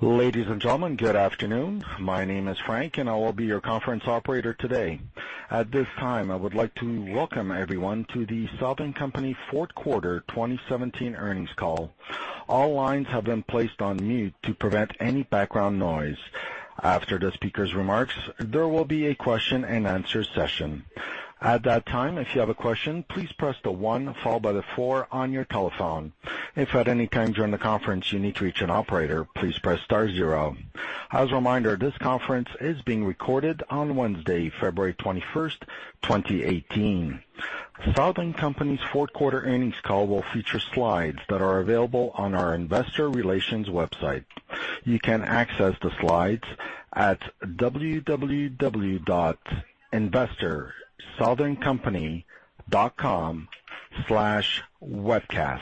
Ladies and gentlemen, good afternoon. My name is Frank, and I will be your conference operator today. At this time, I would like to welcome everyone to The Southern Company fourth quarter 2017 earnings call. All lines have been placed on mute to prevent any background noise. After the speaker's remarks, there will be a question and answer session. At that time, if you have a question, please press the one followed by the four on your telephone. If at any time during the conference you need to reach an operator, please press star zero. As a reminder, this conference is being recorded on Wednesday, February 21st, 2018. Southern Company's fourth quarter earnings call will feature slides that are available on our investor relations website. You can access the slides at www.investorsoutherncompany.com/webcasts.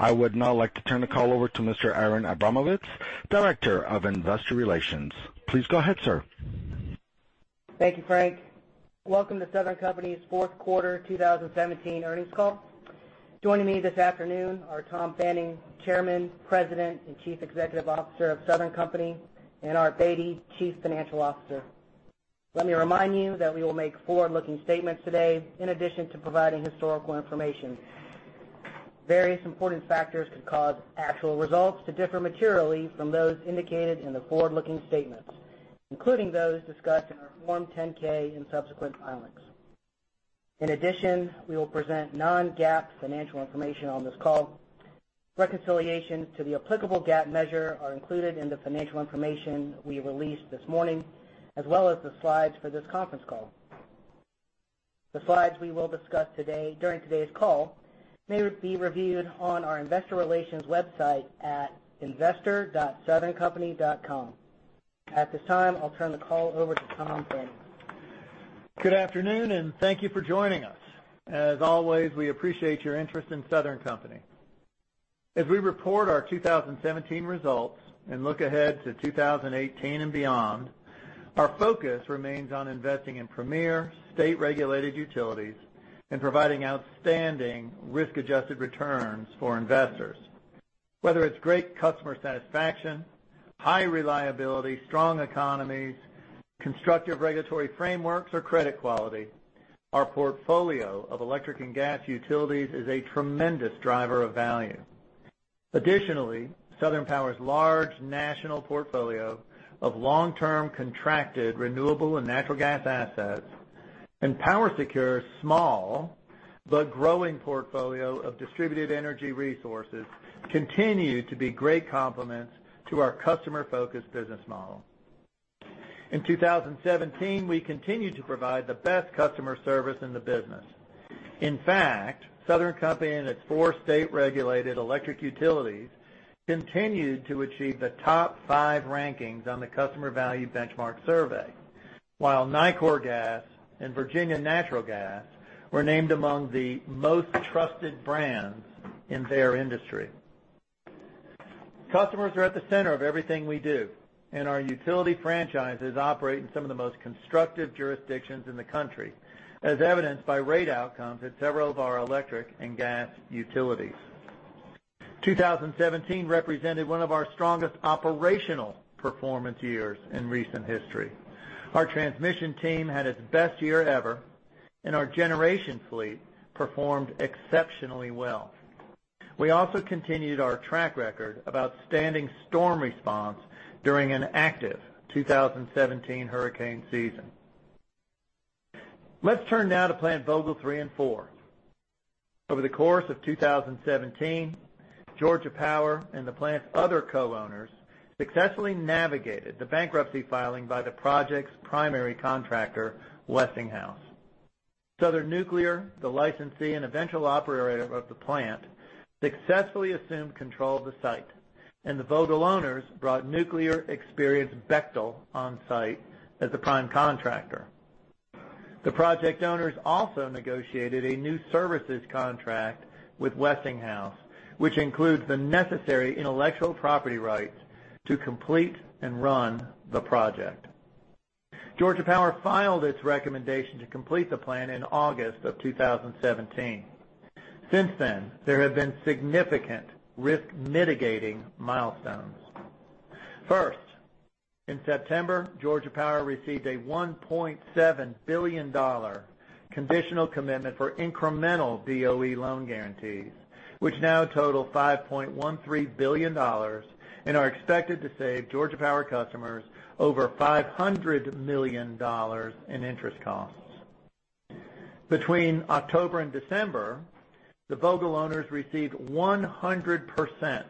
I would now like to turn the call over to Mr. Aaron Abramovitz, Director of Investor Relations. Please go ahead, sir. Thank you, Frank. Welcome to Southern Company's fourth quarter 2017 earnings call. Joining me this afternoon are Tom Fanning, Chairman, President, and Chief Executive Officer of Southern Company, and Art Beattie, Chief Financial Officer. Let me remind you that we will make forward-looking statements today in addition to providing historical information. Various important factors could cause actual results to differ materially from those indicated in the forward-looking statements, including those discussed in our Form 10-K and subsequent filings. In addition, we will present non-GAAP financial information on this call. Reconciliations to the applicable GAAP measure are included in the financial information we released this morning, as well as the slides for this conference call. The slides we will discuss during today's call may be reviewed on our investor relations website at investor.southerncompany.com. At this time, I'll turn the call over to Tom Fanning. Good afternoon, and thank you for joining us. As always, we appreciate your interest in Southern Company. As we report our 2017 results and look ahead to 2018 and beyond, our focus remains on investing in premier state-regulated utilities and providing outstanding risk-adjusted returns for investors. Whether it's great customer satisfaction, high reliability, strong economies, constructive regulatory frameworks, or credit quality, our portfolio of electric and gas utilities is a tremendous driver of value. Additionally, Southern Power's large national portfolio of long-term contracted renewable and natural gas assets and PowerSecure's small but growing portfolio of distributed energy resources continue to be great complements to our customer-focused business model. In 2017, we continued to provide the best customer service in the business. In fact, Southern Company and its four state-regulated electric utilities continued to achieve the top five rankings on the Customer Value Benchmark Survey, while Nicor Gas and Virginia Natural Gas were named among the most trusted brands in their industry. Customers are at the center of everything we do. Our utility franchises operate in some of the most constructive jurisdictions in the country, as evidenced by rate outcomes at several of our electric and gas utilities. 2017 represented one of our strongest operational performance years in recent history. Our transmission team had its best year ever, and our generation fleet performed exceptionally well. We also continued our track record of outstanding storm response during an active 2017 hurricane season. Let's turn now to Plant Vogtle 3 and 4. Over the course of 2017, Georgia Power and the plant's other co-owners successfully navigated the bankruptcy filing by the project's primary contractor, Westinghouse. Southern Nuclear, the licensee and eventual operator of the plant, successfully assumed control of the site. The Vogtle owners brought nuclear experienced Bechtel on-site as the prime contractor. The project owners also negotiated a new services contract with Westinghouse, which includes the necessary intellectual property rights to complete and run the project. Georgia Power filed its recommendation to complete the plant in August of 2017. Since then, there have been significant risk mitigating milestones. First, in September, Georgia Power received a $1.7 billion conditional commitment for incremental DOE loan guarantees, which now total $5.13 billion and are expected to save Georgia Power customers over $500 million in interest costs. Between October and December, the Vogtle owners received 100%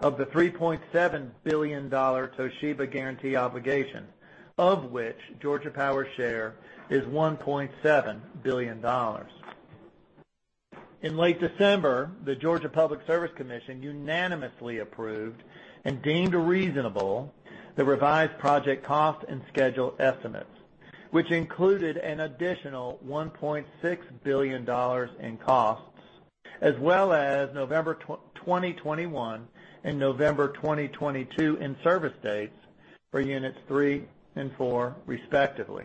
of the $3.7 billion Toshiba guarantee obligation, of which Georgia Power's share is $1.7 billion. In late December, the Georgia Public Service Commission unanimously approved and deemed reasonable the revised project cost and schedule estimates, which included an additional $1.6 billion in costs, as well as November 2021 and November 2022 in-service dates for units 3 and 4, respectively.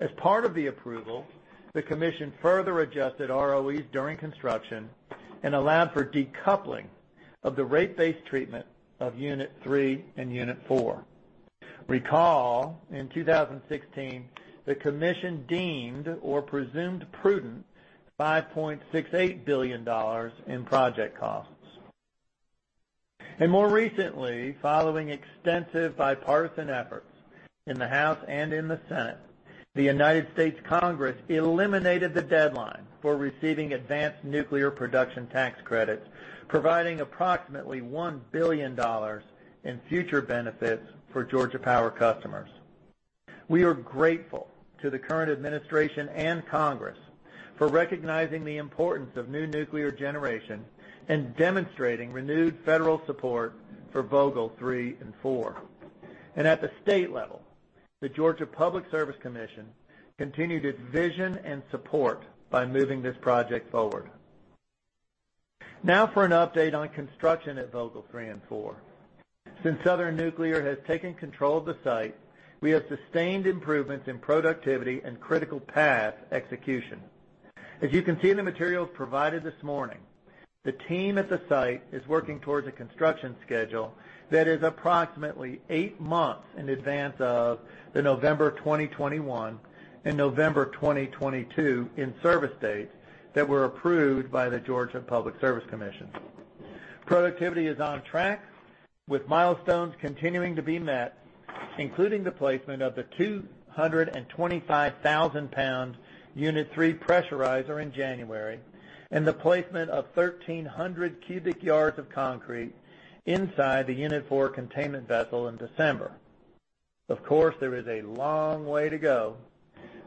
As part of the approval, the commission further adjusted ROEs during construction and allowed for decoupling of the rate base treatment of unit 3 and unit 4. Recall, in 2016, the commission deemed or presumed prudent $5.68 billion in project costs. More recently, following extensive bipartisan efforts in the House and in the Senate, the United States Congress eliminated the deadline for receiving advanced nuclear production tax credits, providing approximately $1 billion in future benefits for Georgia Power customers. We are grateful to the current administration and Congress for recognizing the importance of new nuclear generation and demonstrating renewed federal support for Vogtle 3 and 4. At the state level, the Georgia Public Service Commission continued its vision and support by moving this project forward. Now for an update on construction at Vogtle 3 and 4. Since Southern Nuclear has taken control of the site, we have sustained improvements in productivity and critical path execution. As you can see in the materials provided this morning, the team at the site is working towards a construction schedule that is approximately eight months in advance of the November 2021 and November 2022 in-service dates that were approved by the Georgia Public Service Commission. Productivity is on track with milestones continuing to be met, including the placement of the 225,000-pound unit 3 pressurizer in January, and the placement of 1,300 cubic yards of concrete inside the unit 4 containment vessel in December. Of course, there is a long way to go,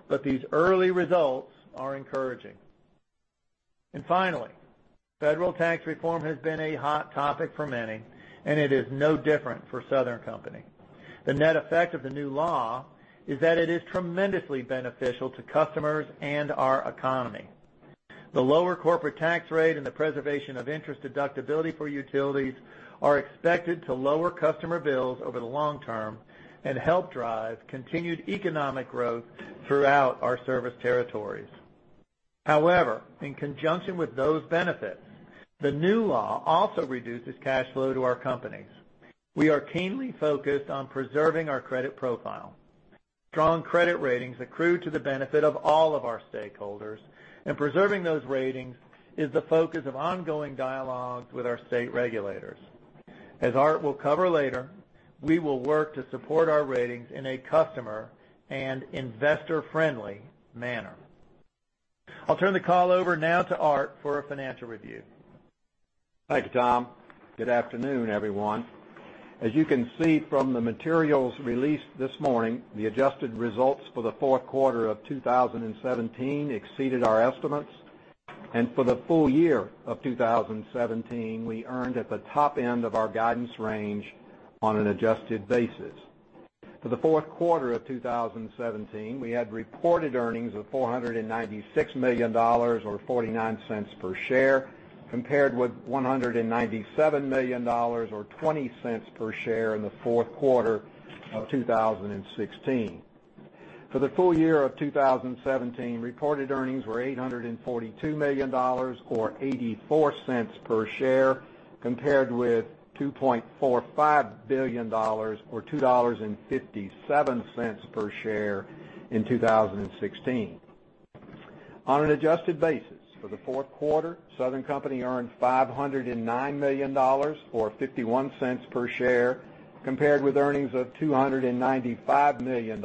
but these early results are encouraging. Finally, federal tax reform has been a hot topic for many, and it is no different for Southern Company. The net effect of the new law is that it is tremendously beneficial to customers and our economy. The lower corporate tax rate and the preservation of interest deductibility for utilities are expected to lower customer bills over the long term and help drive continued economic growth throughout our service territories. However, in conjunction with those benefits, the new law also reduces cash flow to our companies. We are keenly focused on preserving our credit profile. Strong credit ratings accrue to the benefit of all of our stakeholders, and preserving those ratings is the focus of ongoing dialogues with our state regulators. As Art will cover later, we will work to support our ratings in a customer and investor-friendly manner. I'll turn the call over now to Art for a financial review. Thanks, Tom. Good afternoon, everyone. As you can see from the materials released this morning, the adjusted results for the fourth quarter of 2017 exceeded our estimates. For the full year of 2017, we earned at the top end of our guidance range on an adjusted basis. For the fourth quarter of 2017, we had reported earnings of $496 million, or $0.49 per share, compared with $197 million, or $0.20 per share in the fourth quarter of 2016. For the full year of 2017, reported earnings were $842 million, or $0.84 per share, compared with $2.45 billion or $2.57 per share in 2016. On an adjusted basis for the fourth quarter, Southern Company earned $509 million, or $0.51 per share, compared with earnings of $295 million,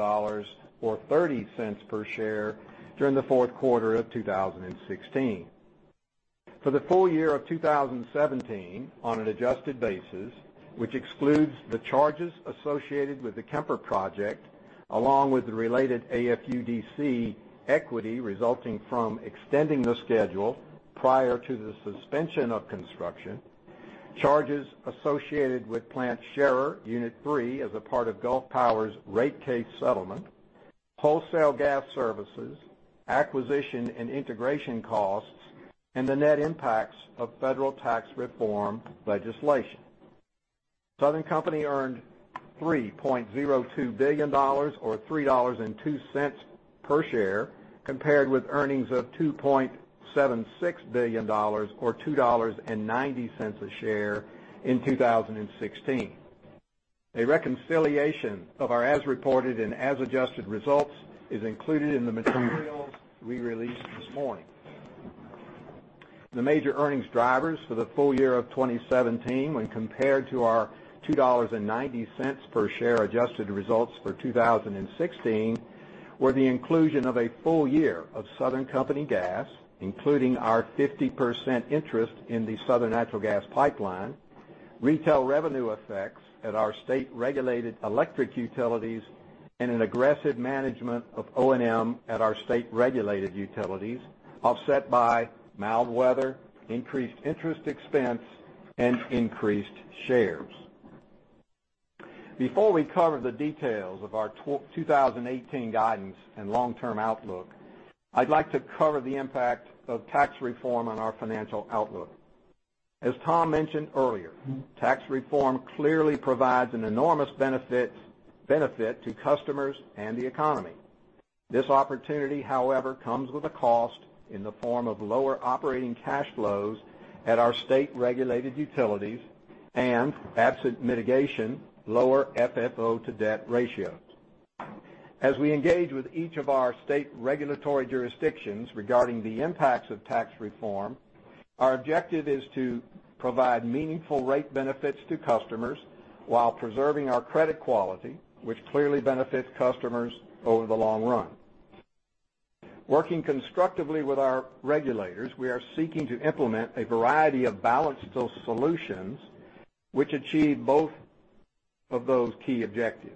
or $0.30 per share during the fourth quarter of 2016. For the full year of 2017, on an adjusted basis, which excludes the charges associated with the Kemper project, along with the related AFUDC equity resulting from extending the schedule prior to the suspension of construction, charges associated with Plant Scherer Unit 3 as a part of Gulf Power's rate case settlement, wholesale gas services, acquisition and integration costs, and the net impacts of federal tax reform legislation. Southern Company earned $3.02 billion, or $3.02 per share, compared with earnings of $2.76 billion or $2.90 a share in 2016. A reconciliation of our as reported and as adjusted results is included in the materials we released this morning. The major earnings drivers for the full year of 2017 when compared to our $2.90 per share adjusted results for 2016 were the inclusion of a full year of Southern Company Gas, including our 50% interest in the Southern Natural Gas Pipeline, retail revenue effects at our state-regulated electric utilities, an aggressive management of O&M at our state-regulated utilities, offset by mild weather, increased interest expense, and increased shares. Before we cover the details of our 2018 guidance and long-term outlook, I'd like to cover the impact of tax reform on our financial outlook. As Tom mentioned earlier, tax reform clearly provides an enormous benefit to customers and the economy. This opportunity, however, comes with a cost in the form of lower operating cash flows at our state-regulated utilities and, absent mitigation, lower FFO to debt ratios. As we engage with each of our state regulatory jurisdictions regarding the impacts of tax reform, our objective is to provide meaningful rate benefits to customers while preserving our credit quality, which clearly benefits customers over the long run. Working constructively with our regulators, we are seeking to implement a variety of balanced solutions which achieve both of those key objectives.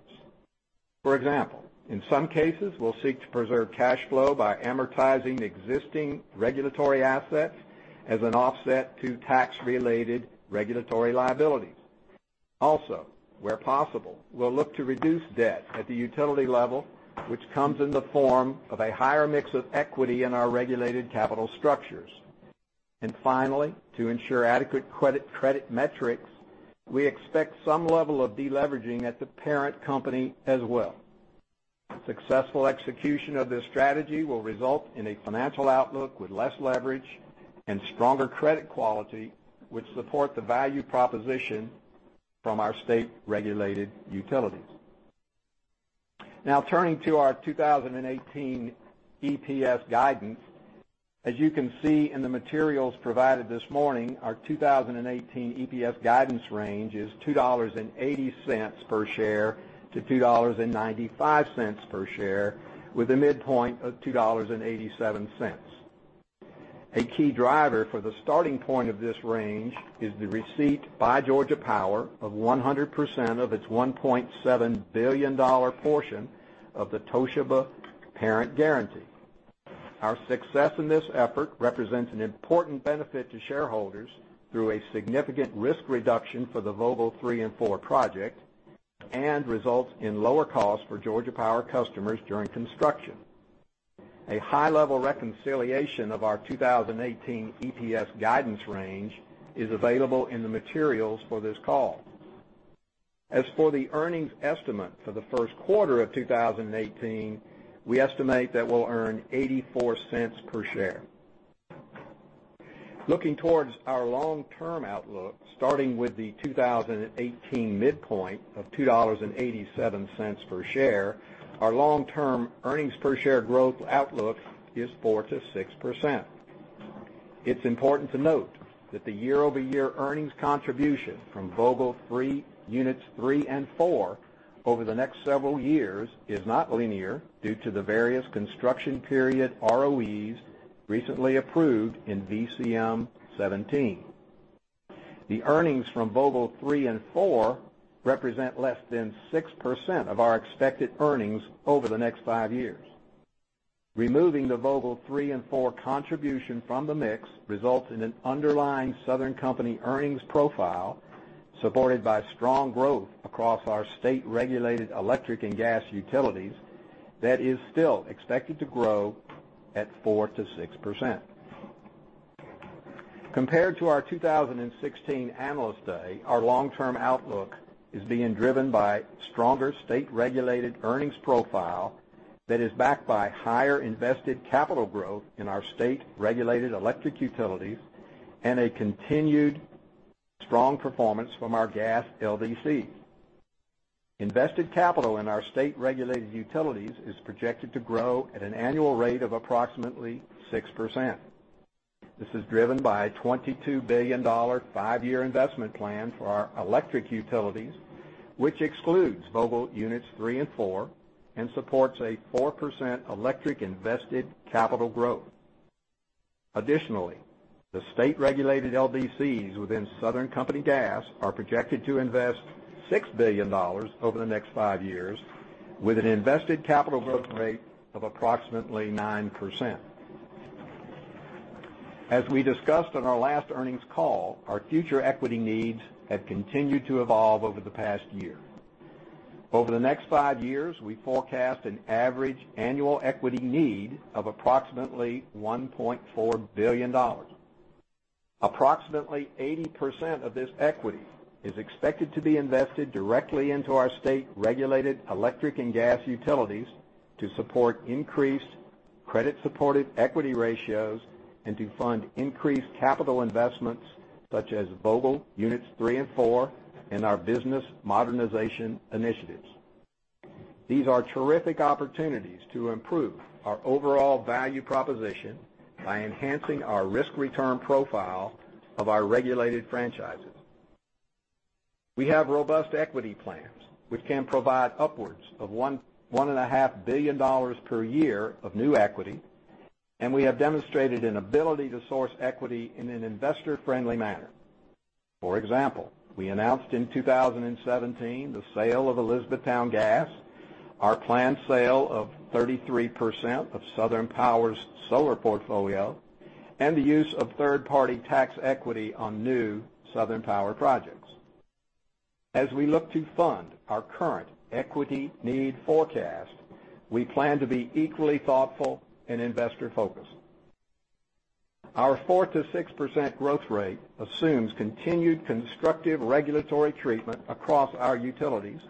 For example, in some cases, we'll seek to preserve cash flow by amortizing existing regulatory assets as an offset to tax-related regulatory liabilities. Also, where possible, we'll look to reduce debt at the utility level, which comes in the form of a higher mix of equity in our regulated capital structures. Finally, to ensure adequate credit metrics, we expect some level of de-leveraging at the parent company as well. Successful execution of this strategy will result in a financial outlook with less leverage and stronger credit quality, which support the value proposition from our state-regulated utilities. Now turning to our 2018 EPS guidance. As you can see in the materials provided this morning, our 2018 EPS guidance range is $2.80 per share to $2.95 per share with a midpoint of $2.87. A key driver for the starting point of this range is the receipt by Georgia Power of 100% of its $1.7 billion portion of the Toshiba parent guarantee. Our success in this effort represents an important benefit to shareholders through a significant risk reduction for the Vogtle 3 and 4 project and results in lower cost for Georgia Power customers during construction. A high-level reconciliation of our 2018 EPS guidance range is available in the materials for this call. As for the earnings estimate for the first quarter of 2018, we estimate that we'll earn $0.84 per share. Looking towards our long-term outlook, starting with the 2018 midpoint of $2.87 per share, our long-term earnings per share growth outlook is 4%-6%. It's important to note that the year-over-year earnings contribution from Vogtle Units 3 and 4 over the next several years is not linear due to the various construction period ROEs recently approved in VCM 17. The earnings from Vogtle 3 and 4 represent less than 6% of our expected earnings over the next five years. Removing the Vogtle 3 and 4 contribution from the mix results in an underlying Southern Company earnings profile, supported by strong growth across our state-regulated electric and gas utilities that is still expected to grow at 4%-6%. Compared to our 2016 Analyst Day, our long-term outlook is being driven by stronger state-regulated earnings profile that is backed by higher invested capital growth in our state-regulated electric utilities and a continued strong performance from our gas LDCs. Invested capital in our state-regulated utilities is projected to grow at an annual rate of approximately 6%. This is driven by a $22 billion five-year investment plan for our electric utilities, which excludes Vogtle units 3 and 4 and supports a 4% electric invested capital growth. Additionally, the state-regulated LDCs within Southern Company Gas are projected to invest $6 billion over the next five years with an invested capital growth rate of approximately 9%. As we discussed on our last earnings call, our future equity needs have continued to evolve over the past year. Over the next five years, we forecast an average annual equity need of approximately $1.4 billion. Approximately 80% of this equity is expected to be invested directly into our state-regulated electric and gas utilities to support increased credit-supported equity ratios and to fund increased capital investments such as Vogtle units 3 and 4 and our business modernization initiatives. These are terrific opportunities to improve our overall value proposition by enhancing our risk-return profile of our regulated franchises. We have robust equity plans, which can provide upwards of $1.5 billion per year of new equity, and we have demonstrated an ability to source equity in an investor-friendly manner. For example, we announced in 2017 the sale of Elizabethtown Gas, our planned sale of 33% of Southern Power's solar portfolio, and the use of third-party tax equity on new Southern Power projects. As we look to fund our current equity need forecast, we plan to be equally thoughtful and investor-focused. Our 4%-6% growth rate assumes continued constructive regulatory treatment across our utilities,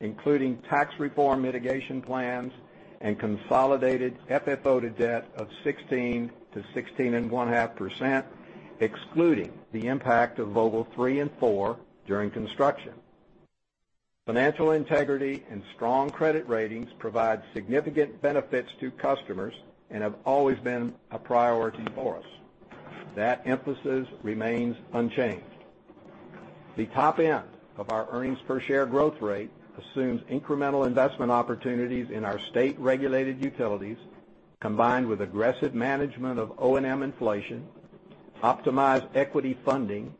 including tax reform mitigation plans and consolidated FFO to debt of 16%-16.5%, excluding the impact of Vogtle 3 and 4 during construction. Financial integrity and strong credit ratings provide significant benefits to customers and have always been a priority for us. That emphasis remains unchanged. The top end of our earnings per share growth rate assumes incremental investment opportunities in our state-regulated utilities, combined with aggressive management of O&M inflation, optimized equity funding,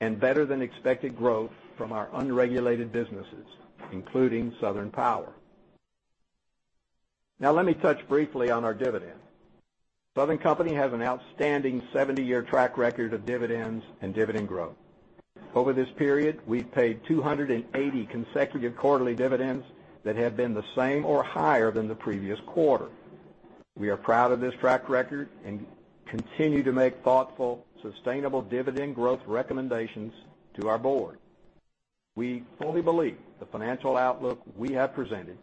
and better than expected growth from our unregulated businesses, including Southern Power. Let me touch briefly on our dividend. Southern Company has an outstanding 70-year track record of dividends and dividend growth. Over this period, we've paid 280 consecutive quarterly dividends that have been the same or higher than the previous quarter. We are proud of this track record and continue to make thoughtful, sustainable dividend growth recommendations to our board. We fully believe the financial outlook we have presented,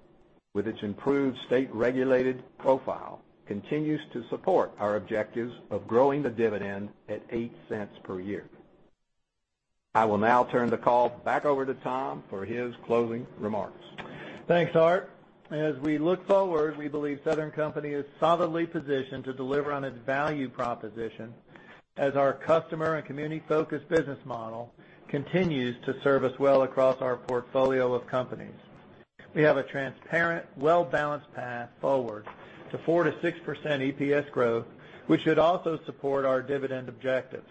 with its improved state-regulated profile, continues to support our objectives of growing the dividend at $0.08 per year. I will now turn the call back over to Tom for his closing remarks. Thanks, Art. As we look forward, we believe Southern Company is solidly positioned to deliver on its value proposition as our customer and community-focused business model continues to serve us well across our portfolio of companies. We have a transparent, well-balanced path forward to 4%-6% EPS growth. We should also support our dividend objectives.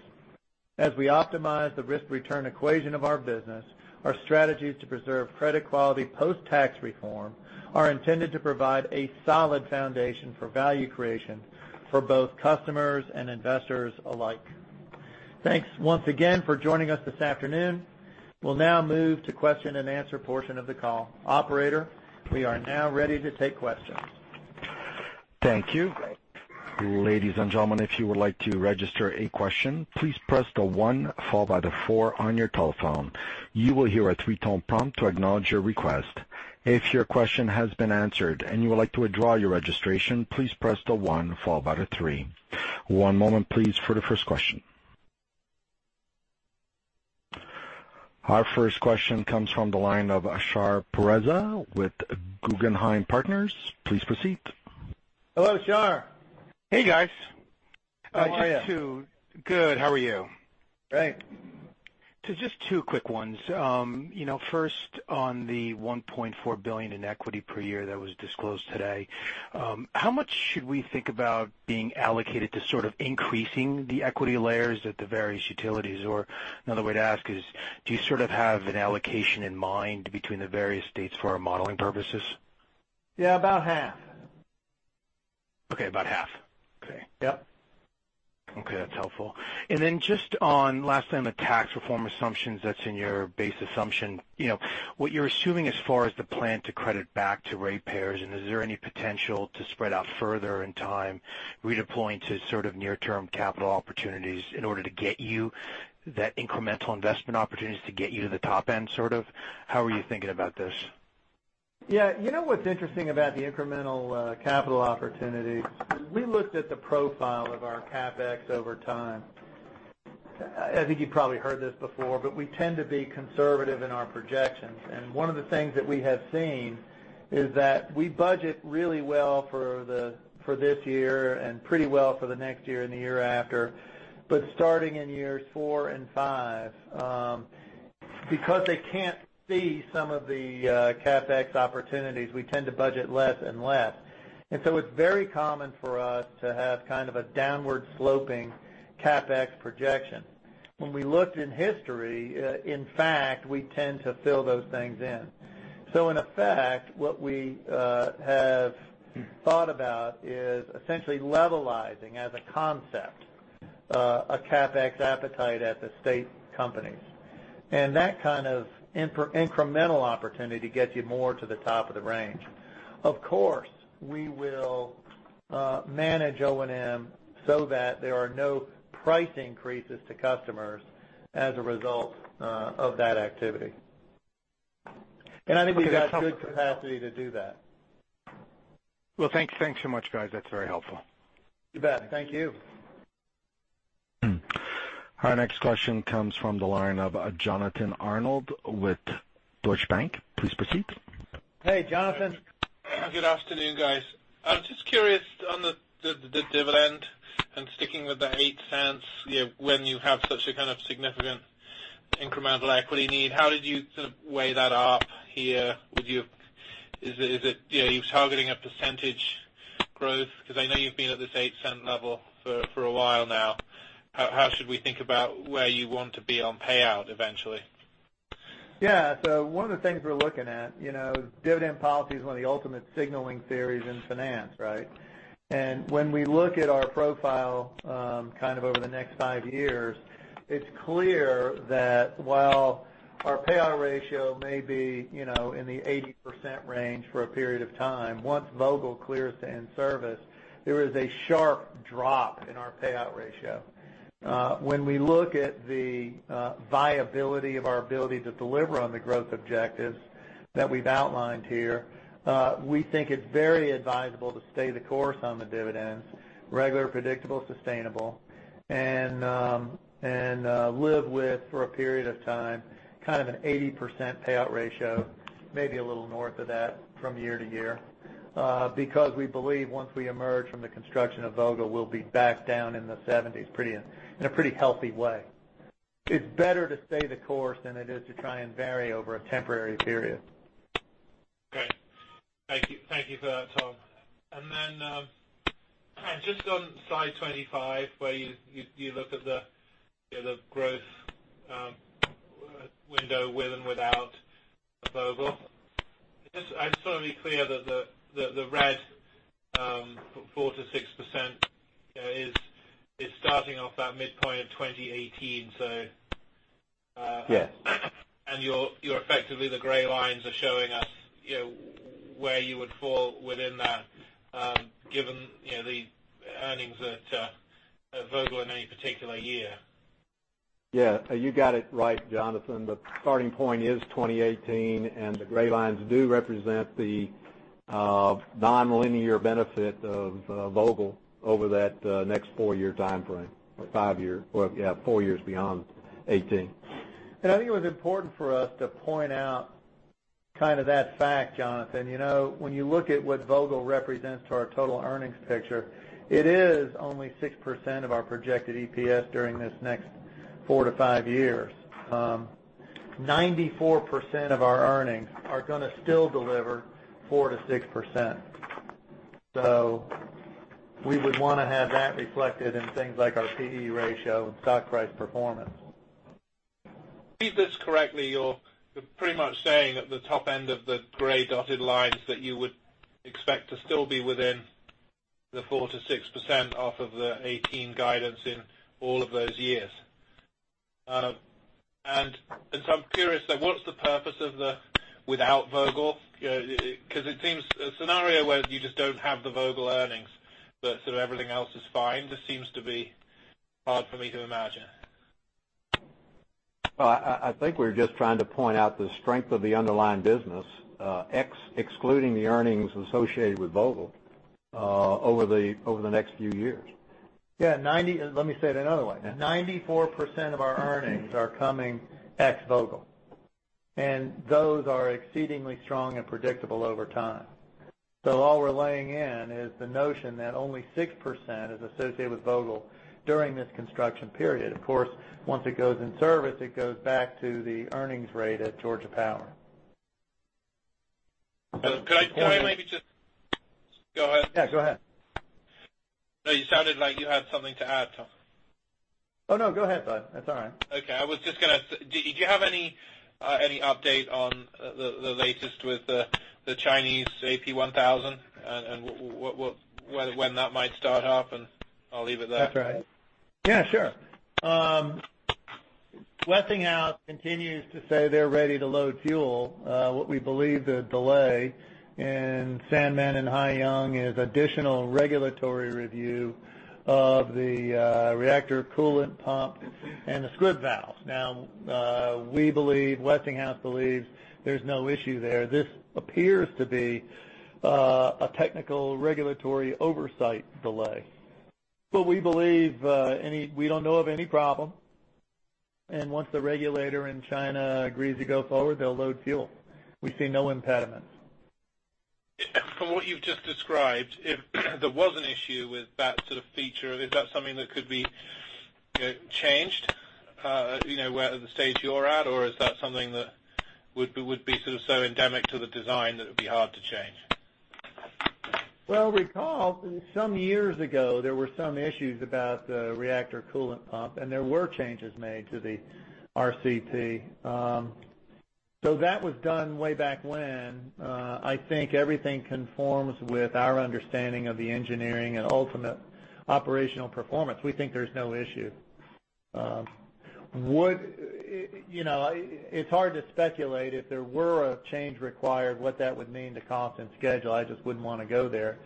As we optimize the risk-return equation of our business, our strategies to preserve credit quality post-tax reform are intended to provide a solid foundation for value creation for both customers and investors alike. Thanks once again for joining us this afternoon. We will now move to question and answer portion of the call. Operator, we are now ready to take questions. Thank you. Ladies and gentlemen, if you would like to register a question, please press the one followed by the four on your telephone. You will hear a three-tone prompt to acknowledge your request. If your question has been answered and you would like to withdraw your registration, please press the one followed by the three. One moment, please, for the first question. Our first question comes from the line of Shar Pourreza with Guggenheim Partners. Please proceed. Hello, Shar. Hey, guys. How are you? Good. How are you? Great. Just two quick ones. First, on the $1.4 billion in equity per year that was disclosed today, how much should we think about being allocated to sort of increasing the equity layers at the various utilities? Or another way to ask is, do you sort of have an allocation in mind between the various states for our modeling purposes? Yeah, about half. Okay, about half. Okay. Yep. Okay. That's helpful. Just on last time, the tax reform assumptions that's in your base assumption. What you're assuming as far as the plan to credit back to ratepayers, is there any potential to spread out further in time, redeploying to sort of near-term CapEx opportunities in order to get you that incremental investment opportunities to get you to the top end, sort of? How are you thinking about this? Yeah. You know what's interesting about the incremental capital opportunities, we looked at the profile of our CapEx over time. I think you've probably heard this before, but we tend to be conservative in our projections. One of the things that we have seen is that we budget really well for this year and pretty well for the next year and the year after. Starting in years 4 and 5, because they can't see some of the CapEx opportunities, we tend to budget less and less. It's very common for us to have kind of a downward-sloping CapEx projection. When we looked in history, in fact, we tend to fill those things in. In effect, what we have thought about is essentially levelizing as a concept, a CapEx appetite at the state companies. That kind of incremental opportunity gets you more to the top of the range. Of course, we will manage O&M so that there are no price increases to customers as a result of that activity. I think we've got good capacity to do that. Well, thanks so much, guys. That's very helpful. You bet. Thank you. Our next question comes from the line of Jonathan Arnold with Deutsche Bank. Please proceed. Hey, Jonathan. Good afternoon, guys. I'm just curious on the dividend and sticking with the $0.08, when you have such a kind of significant incremental equity need, how did you sort of weigh that up here? Are you targeting a percentage growth? Because I know you've been at this $0.08 level for a while now. How should we think about where you want to be on payout eventually? Yeah. One of the things we're looking at, dividend policy is one of the ultimate signaling theories in finance, right? When we look at our profile kind of over the next five years, it's clear that while our payout ratio may be in the 80% range for a period of time. Once Vogtle clears to in-service, there is a sharp drop in our payout ratio. When we look at the viability of our ability to deliver on the growth objectives that we've outlined here, we think it's very advisable to stay the course on the dividends, regular, predictable, sustainable, and live with, for a period of time, kind of an 80% payout ratio, maybe a little north of that from year to year. We believe once we emerge from the construction of Vogtle, we'll be back down in the 70s, in a pretty healthy way. It's better to stay the course than it is to try and vary over a temporary period. Great. Thank you for that, Tom. Just on slide 25, where you look at the growth window with and without Vogtle. I'm just trying to be clear that the red 4%-6% is starting off that midpoint of 2018. Yes Effectively, the gray lines are showing us where you would fall within that, given the earnings at Vogtle in any particular year. Yeah. You got it right, Jonathan. The starting point is 2018, the gray lines do represent the non-linear benefit of Vogtle over that next 4-year timeframe. Or 5-year. 4 years beyond 2018. I think it was important for us to point out that fact, Jonathan. When you look at what Vogtle represents to our total earnings picture, it is only 6% of our projected EPS during this next 4 to 5 years. 94% of our earnings are going to still deliver 4% to 6%. We would want to have that reflected in things like our P/E ratio and stock price performance. Read this correctly, you're pretty much saying at the top end of the gray dotted lines that you would expect to still be within the 4% to 6% off of the 2018 guidance in all of those years. I'm curious, then, what's the purpose of the without Vogtle? It seems a scenario where you just don't have the Vogtle earnings, but sort of everything else is fine, just seems to be hard for me to imagine. Well, I think we're just trying to point out the strength of the underlying business, excluding the earnings associated with Vogtle, over the next few years. Yeah. Let me say it another way. 94% of our earnings are coming ex-Vogtle. Those are exceedingly strong and predictable over time. All we're laying in is the notion that only 6% is associated with Vogtle during this construction period. Of course, once it goes in service, it goes back to the earnings rate at Georgia Power. Could I maybe Go ahead. Yeah, go ahead. No, you sounded like you had something to add, Tom. Oh, no, go ahead, Bud. That's all right. Okay. Do you have any update on the latest with the Chinese AP1000 and when that might start up and I'll leave it there. That's right. Yeah, sure. Westinghouse continues to say they're ready to load fuel. What we believe the delay in Sanmen and Haiyang is additional regulatory review of the reactor coolant pump and the squib valve. Now, we believe, Westinghouse believes, there's no issue there. This appears to be a technical regulatory oversight delay. We believe we don't know of any problem, and once the regulator in China agrees to go forward, they'll load fuel. We see no impediments. From what you've just described, if there was an issue with that sort of feature, is that something that could be changed at the stage you're at? Is that something that would be so endemic to the design that it would be hard to change? Recall some years ago, there were some issues about the reactor coolant pump, and there were changes made to the RCP. That was done way back when. I think everything conforms with our understanding of the engineering and ultimate operational performance. We think there's no issue. It's hard to speculate if there were a change required, what that would mean to cost and schedule. I just wouldn't want to go there.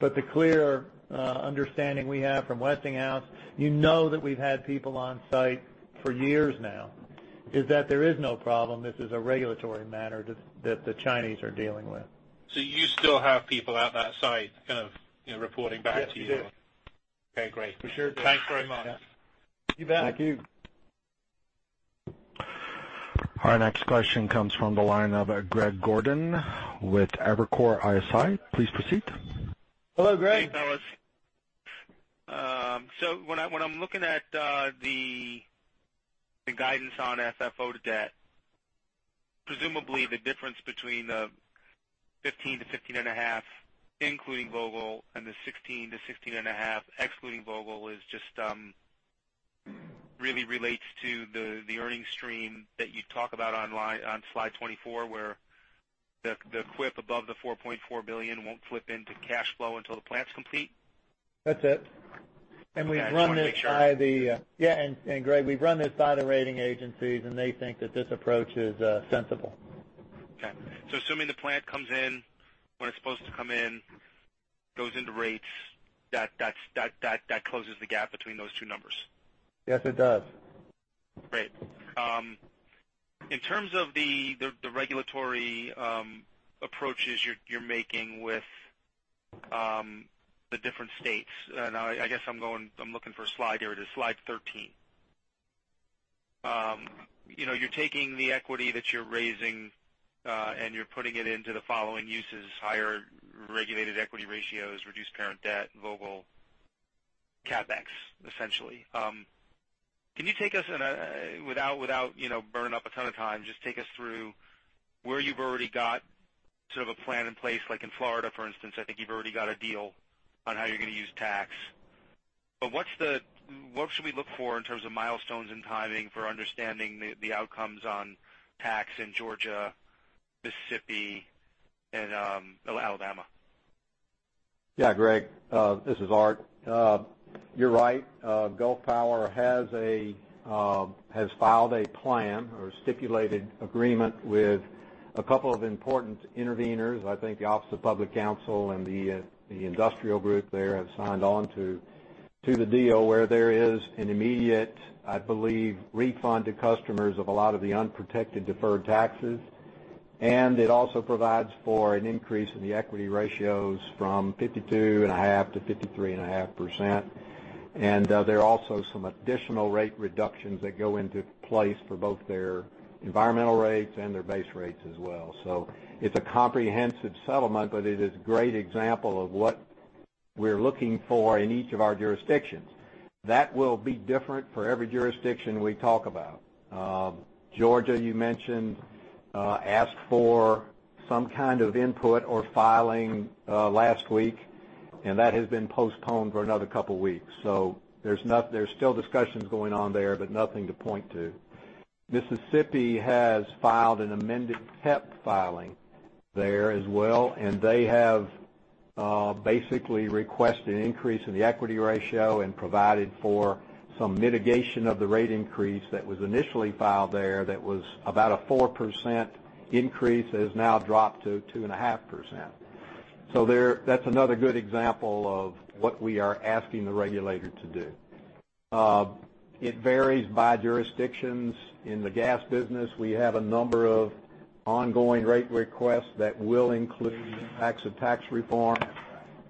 The clear understanding we have from Westinghouse, you know that we've had people on site for years now, is that there is no problem. This is a regulatory matter that the Chinese are dealing with. You still have people at that site kind of reporting back to you. Yes, we do. Okay, great. We sure do. Thanks very much. You bet. Thank you. Our next question comes from the line of Greg Gordon with Evercore ISI. Please proceed. Hello, Greg. Hey, fellas. When I'm looking at the guidance on FFO to debt, presumably the difference between the 15-15.5 including Vogtle and the 16-16.5 excluding Vogtle just really relates to the earnings stream that you talk about on slide 24 where The CWIP above the $4.4 billion won't flip into cash flow until the plant's complete? That's it. Okay, just wanted to make sure. Yeah, Greg, we've run this by the rating agencies, and they think that this approach is sensible. Okay. Assuming the plant comes in when it's supposed to come in, goes into rates, that closes the gap between those two numbers. Yes, it does. Great. In terms of the regulatory approaches you're making with the different states, I guess I'm looking for a slide here. There is slide 13. You're taking the equity that you're raising, and you're putting it into the following uses, higher regulated equity ratios, reduced parent debt, Vogtle CapEx, essentially. Can you take us in a, without burning up a ton of time, just take us through where you've already got sort of a plan in place, like in Florida, for instance, I think you've already got a deal on how you're going to use tax. What should we look for in terms of milestones and timing for understanding the outcomes on tax in Georgia, Mississippi, and Alabama? Yeah, Greg, this is Art. You're right. Gulf Power has filed a plan or stipulated agreement with a couple of important interveners. I think the Office of Public Counsel and the industrial group there have signed on to the deal where there is an immediate, I believe, refund to customers of a lot of the unprotected deferred taxes. It also provides for an increase in the equity ratios from 52.5%-53.5%. There are also some additional rate reductions that go into place for both their environmental rates and their base rates as well. It is a comprehensive settlement, it is a great example of what we're looking for in each of our jurisdictions. That will be different for every jurisdiction we talk about. Georgia, you mentioned, asked for some kind of input or filing last week. That has been postponed for another couple of weeks. There is still discussions going on there, but nothing to point to. Mississippi has filed an amended PEP filing there as well, they have basically requested an increase in the equity ratio and provided for some mitigation of the rate increase that was initially filed there. That was about a 4% increase, has now dropped to 2.5%. That is another good example of what we are asking the regulator to do. It varies by jurisdictions. In the gas business, we have a number of ongoing rate requests that will include effects of tax reform.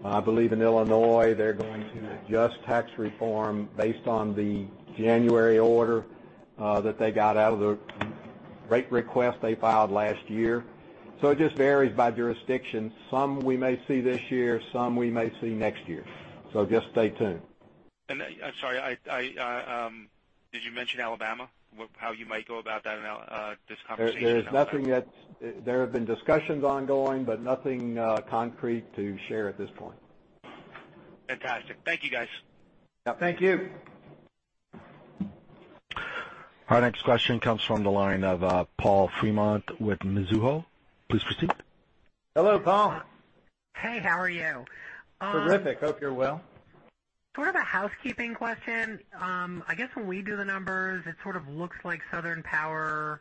I believe in Illinois, they're going to adjust tax reform based on the January order that they got out of the rate request they filed last year. It just varies by jurisdiction. Some we may see this year, some we may see next year. Just stay tuned. I'm sorry. Did you mention Alabama, how you might go about that in this conversation? There have been discussions ongoing, nothing concrete to share at this point. Fantastic. Thank you, guys. Yeah. Thank you. Our next question comes from the line of Paul Fremont with Mizuho. Please proceed. Hello, Paul. Hey, how are you? Terrific. Hope you're well. Sort of a housekeeping question. I guess when we do the numbers, it sort of looks like Southern Power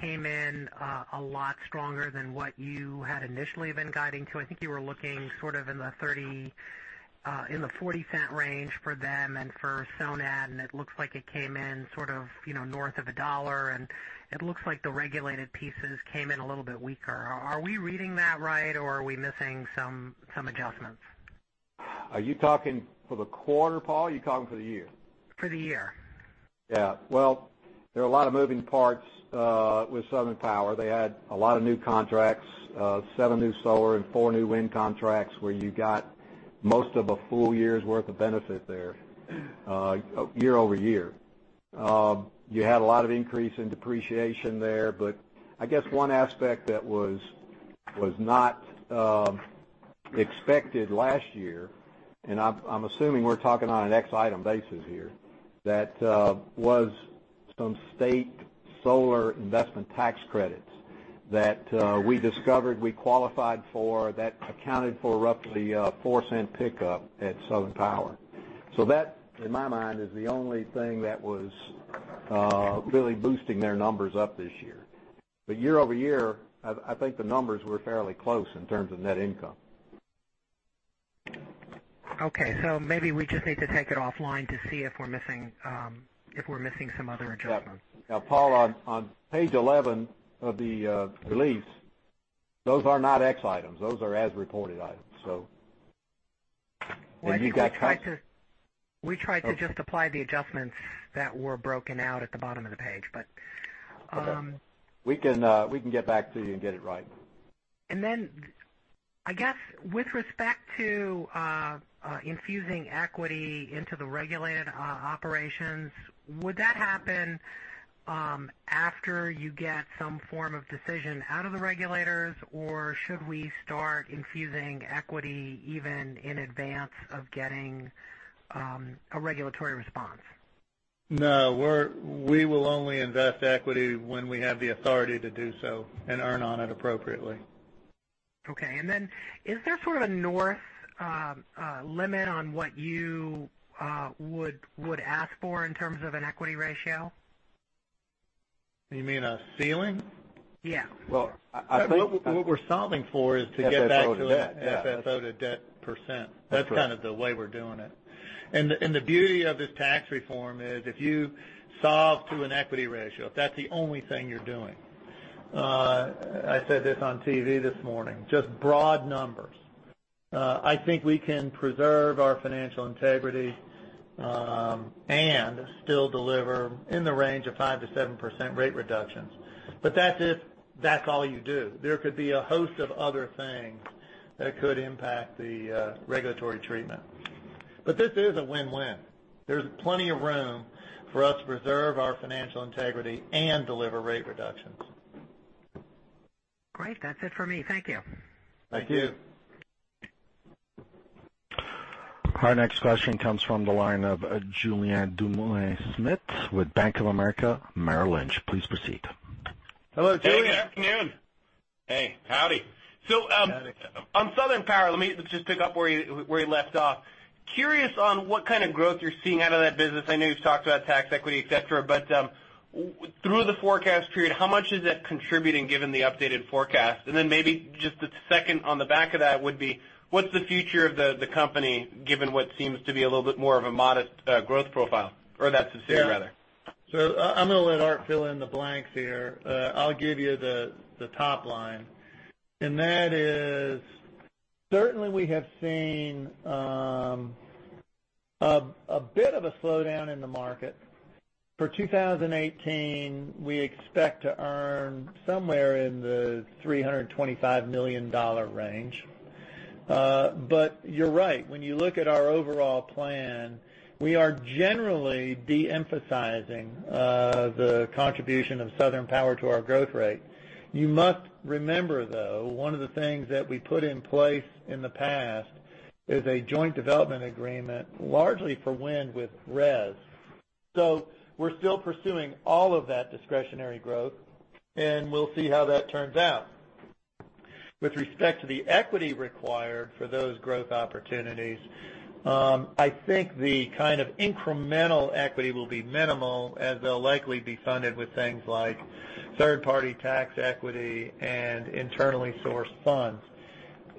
came in a lot stronger than what you had initially been guiding to. I think you were looking sort of in the $0.30, in the $0.40 range for them and for Sonat, and it looks like it came in sort of north of $1. It looks like the regulated pieces came in a little bit weaker. Are we reading that right, or are we missing some adjustments? Are you talking for the quarter, Paul? Are you talking for the year? For the year. Yeah. Well, there are a lot of moving parts with Southern Power. They had a lot of new contracts, seven new solar and four new wind contracts, where you got most of a full year's worth of benefit there year-over-year. You had a lot of increase in depreciation there. I guess one aspect that was not expected last year, and I'm assuming we're talking on an X item basis here, that was some state solar investment tax credits that we discovered we qualified for that accounted for roughly a $0.04 pickup at Southern Power. That, in my mind, is the only thing that was really boosting their numbers up this year. Year-over-year, I think the numbers were fairly close in terms of net income. Okay. Maybe we just need to take it offline to see if we're missing some other adjustments. Paul, on page 11 of the release, those are not X items. Those are as reported items. Well, I think we tried to just apply the adjustments that were broken out at the bottom of the page. Okay. We can get back to you and get it right. I guess with respect to infusing equity into the regulated operations, would that happen after you get some form of decision out of the regulators, or should we start infusing equity even in advance of getting a regulatory response? No, we will only invest equity when we have the authority to do so and earn on it appropriately. Okay. Then is there sort of a north limit on what you would ask for in terms of an equity ratio? You mean a ceiling? Yeah. Well, what we're solving for is to get back to that FFO to debt%. That's right. That's kind of the way we're doing it. The beauty of this tax reform is if you solve to an equity ratio, if that's the only thing you're doing, I said this on TV this morning, just broad numbers. I think we can preserve our financial integrity, still deliver in the range of 5%-7% rate reductions. That's if that's all you do. There could be a host of other things that could impact the regulatory treatment. This is a win-win. There's plenty of room for us to preserve our financial integrity and deliver rate reductions. Great. That's it for me. Thank you. Thank you. Our next question comes from the line of Julien Dumoulin-Smith with Bank of America Merrill Lynch. Please proceed. Hello, Julien. Hey, good afternoon. Hey. Howdy. Howdy. On Southern Power, let me just pick up where you left off. Curious on what kind of growth you're seeing out of that business. I know you've talked about tax equity, et cetera, but through the forecast period, how much is that contributing given the updated forecast? Maybe just a second on the back of that would be, what's the future of the company, given what seems to be a little bit more of a modest growth profile? That's the same, rather. I'm going to let Art fill in the blanks here. I'll give you the top line. That is certainly we have seen a bit of a slowdown in the market. For 2018, we expect to earn somewhere in the $325 million range. You're right. When you look at our overall plan, we are generally de-emphasizing the contribution of Southern Power to our growth rate. You must remember, though, one of the things that we put in place in the past is a joint development agreement, largely for wind with RES. We're still pursuing all of that discretionary growth, and we'll see how that turns out. With respect to the equity required for those growth opportunities, I think the kind of incremental equity will be minimal as they'll likely be funded with things like third-party tax equity and internally sourced funds.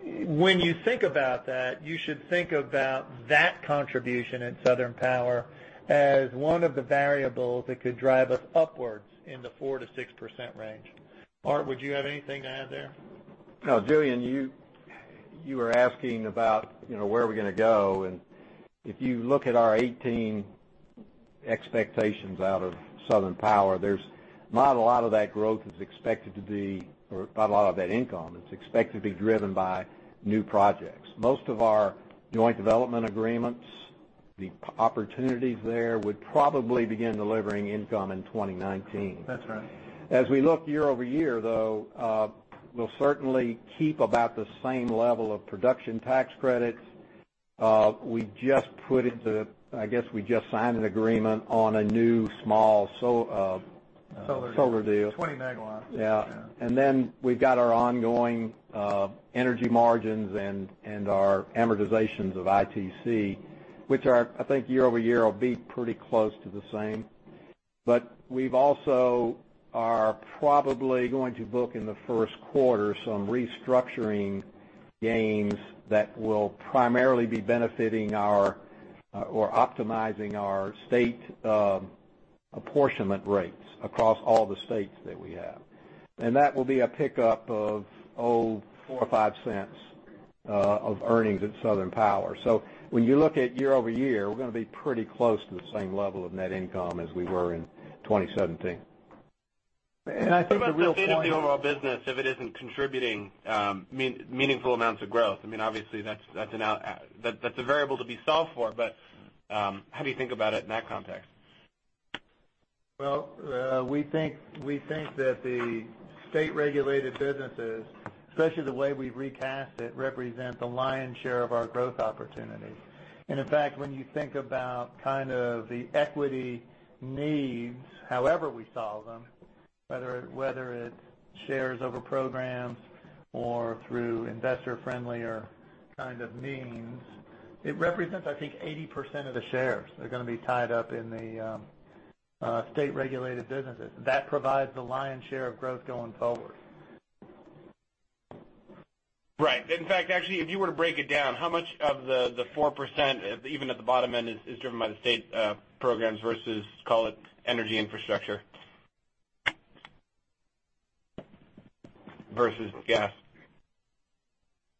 When you think about that, you should think about that contribution in Southern Power as one of the variables that could drive us upwards in the 4%-6% range. Art, would you have anything to add there? No. Julien, you were asking about where are we going to go. If you look at our 2018 expectations out of Southern Power, there's not a lot of that growth is expected to be, or not a lot of that income is expected to be driven by new projects. Most of our joint development agreements, the opportunities there would probably begin delivering income in 2019. That's right. As we look year-over-year, though, we'll certainly keep about the same level of production tax credits. We just put into, I guess we just signed an agreement on a new small solar deal. 20 MW. Yeah. We've got our ongoing energy margins and our amortizations of ITC, which are, I think year-over-year, will be pretty close to the same. We've also probably going to book in the first quarter some restructuring gains that will primarily be benefiting our, or optimizing our state apportionment rates across all the states that we have. That will be a pickup of, oh, $0.04 or $0.05 of earnings at Southern Power. When you look at year-over-year, we're going to be pretty close to the same level of net income as we were in 2017. I think the real point- What about the state of the overall business if it isn't contributing meaningful amounts of growth? Obviously, that's a variable to be solved for, but how do you think about it in that context? Well, we think that the state-regulated businesses, especially the way we've recast it, represent the lion's share of our growth opportunities. In fact, when you think about kind of the equity needs, however we solve them, whether it's shares over programs or through investor-friendlier kind of means, it represents, I think 80% of the shares are going to be tied up in the state-regulated businesses. That provides the lion's share of growth going forward. Right. In fact, actually, if you were to break it down, how much of the 4%, even at the bottom end, is driven by the state programs versus, call it energy infrastructure versus gas?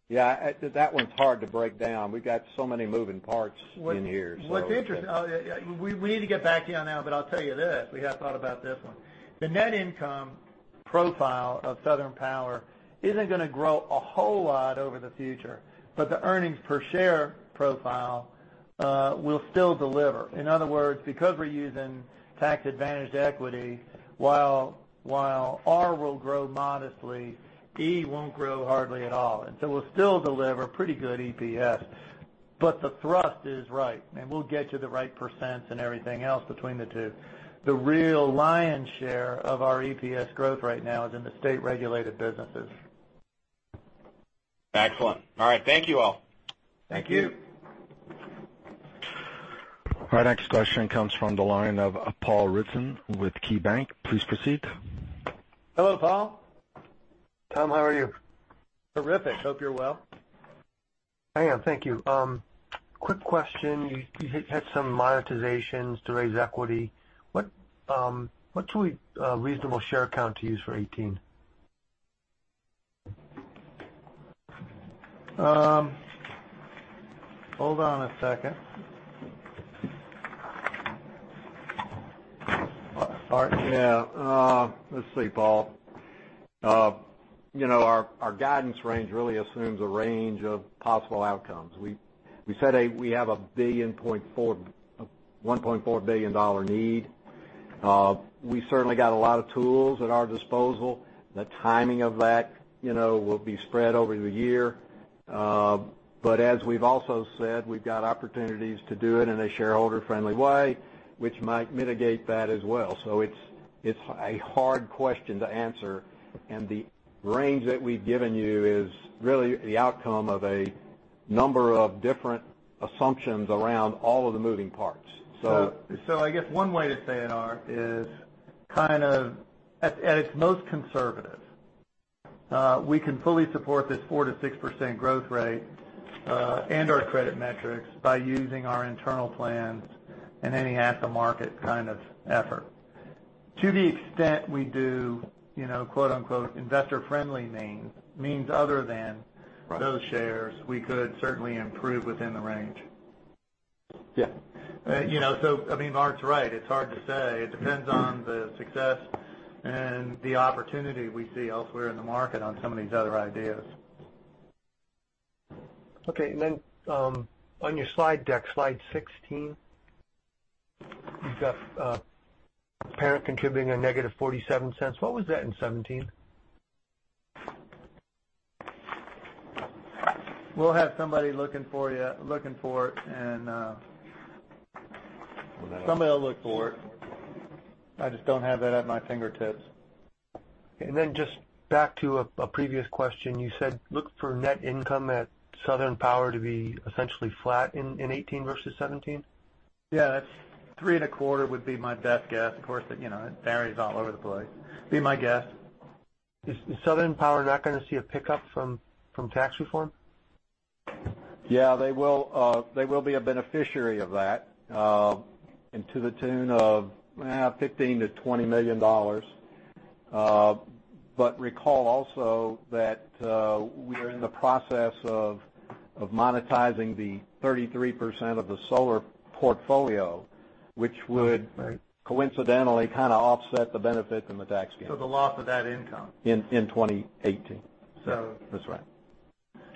Yeah, that one's hard to break down. We've got so many moving parts in here. What's interesting, we need to get back to you on that. I'll tell you this, we have thought about this one. The net income profile of Southern Power isn't going to grow a whole lot over the future. The earnings per share profile will still deliver. In other words, because we're using Tax-advantaged equity, while R will grow modestly, E won't grow hardly at all. We'll still deliver pretty good EPS. The thrust is right, and we'll get to the right % and everything else between the two. The real lion's share of our EPS growth right now is in the state-regulated businesses. Excellent. All right. Thank you, all. Thank you. Thank you. Our next question comes from the line of Paul Ridzon with KeyBanc. Please proceed. Hello, Paul. Tom, how are you? Terrific. Hope you're well. I am. Thank you. Quick question. You hit some monetizations to raise equity. What's a reasonable share count to use for 2018? Hold on a second. All right. Yeah. Let's see, Paul. Our guidance range really assumes a range of possible outcomes. We said we have a $1.4 billion need. We certainly got a lot of tools at our disposal. The timing of that will be spread over the year. As we've also said, we've got opportunities to do it in a shareholder-friendly way, which might mitigate that as well. It's a hard question to answer. The range that we've given you is really the outcome of a number of different assumptions around all of the moving parts. I guess one way to say it, Art, is at its most conservative. We can fully support this 4%-6% growth rate, and our credit metrics by using our internal plans and any at-the-market kind of effort. To the extent we do, quote unquote, "investor-friendly means," means other than those shares, we could certainly improve within the range. Yeah. I mean, Mark's right. It's hard to say. It depends on the success and the opportunity we see elsewhere in the market on some of these other ideas. Okay. Then on your slide deck, slide sixteen. You've got parent contributing a negative $0.47. What was that in 2017? We'll have somebody looking for it. Somebody will look for it. I just don't have that at my fingertips. Then just back to a previous question. You said look for net income at Southern Power to be essentially flat in 2018 versus 2017? Yeah, that's $3.25 would be my best guess. Of course, it varies all over the place. Be my guess. Is Southern Power not going to see a pickup from tax reform? Yeah. They will be a beneficiary of that, and to the tune of $15 million-$20 million. Recall also that we're in the process of monetizing the 33% of the solar portfolio, which coincidentally kind of offset the benefit from the tax gain. The loss of that income. In 2018. That's right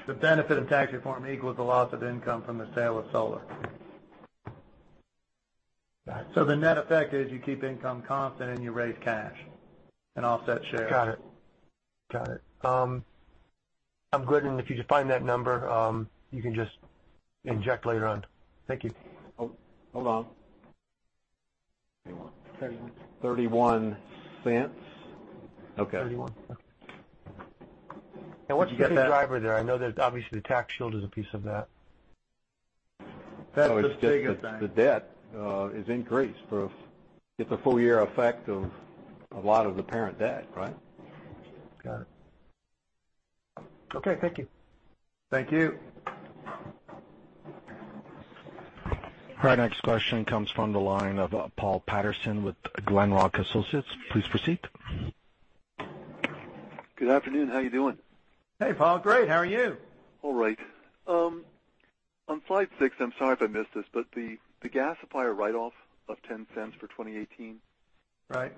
the benefit of tax reform equals the loss of income from the sale of solar. Right. The net effect is you keep income constant and you raise cash and offset shares. Got it. I'm good, if you could find that number, you can just inject later on. Thank you. Hold on. $0.31. $0.31. Okay. $0.31, yeah. Did you get that? What's the big driver there? I know that obviously the tax shield is a piece of that. That's the big thing. The debt is increased. It's a full-year effect of a lot of the parent debt, right? Got it. Okay. Thank you. Thank you. Our next question comes from the line of Paul Patterson with Glenrock Associates. Please proceed. Good afternoon. How you doing? Hey, Paul. Great. How are you? All right. On slide six, I'm sorry if I missed this, the gasifier write-off of $0.10 for 2018. Right.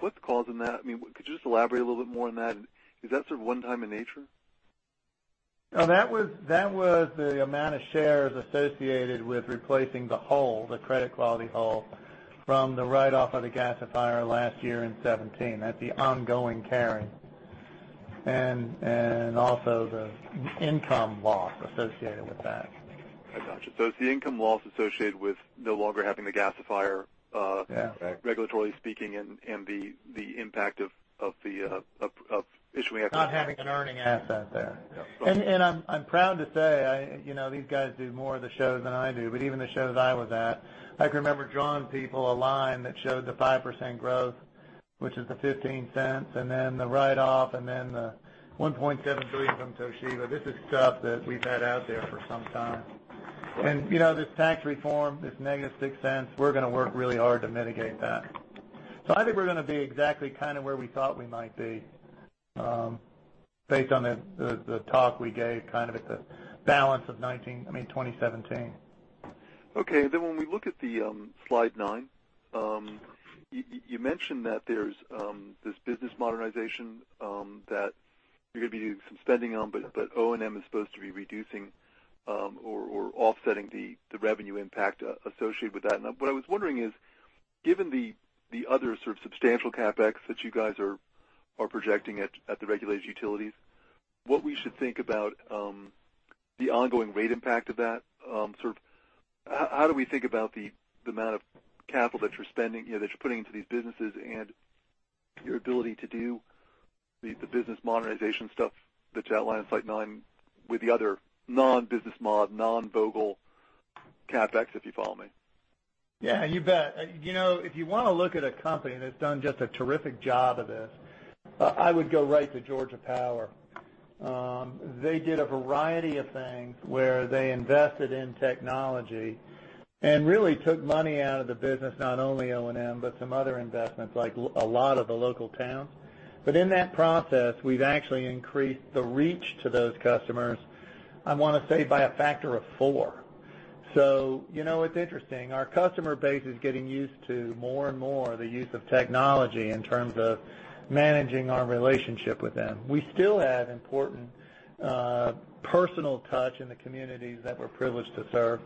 What's causing that? I mean, could you just elaborate a little bit more on that? Is that sort of one-time in nature? No, that was the amount of shares associated with replacing the hole, the credit quality hole, from the write-off of the gasifier last year in 2017. That's the ongoing carrying. Also the income loss associated with that. I gotcha. It's the income loss associated with no longer having the gasifier. Yeah. Right Regulatory speaking and the impact of Not having an earning asset there. Yeah. I'm proud to say, these guys do more of the shows than I do. Even the shows I was at, I can remember drawing people a line that showed the 5% growth, which is the $0.15, and then the write-off, and then the $1.7 billion from Toshiba. This is stuff that we've had out there for some time. This tax reform, this negative $0.06, we're going to work really hard to mitigate that. I think we're going to be exactly kind of where we thought we might be based on the talk we gave kind of at the balance of 2019, I mean, 2017. When we look at the slide nine, you mentioned that there's this business modernization that You're going to be doing some spending on, but O&M is supposed to be reducing or offsetting the revenue impact associated with that. What I was wondering is, given the other sort of substantial CapEx that you guys are projecting at the regulated utilities, what we should think about the ongoing rate impact of that. How do we think about the amount of capital that you're spending, that you're putting into these businesses, and your ability to do the business modernization stuff that's outlined in slide nine with the other non-business mod, non-Vogtle CapEx, if you follow me? Yeah, you bet. If you want to look at a company that's done just a terrific job of this, I would go right to Georgia Power. They did a variety of things where they invested in technology and really took money out of the business, not only O&M, but some other investments, like a lot of the local towns. In that process, we've actually increased the reach to those customers, I want to say by a factor of four. It's interesting. Our customer base is getting used to more and more the use of technology in terms of managing our relationship with them. We still have important personal touch in the communities that we're privileged to serve.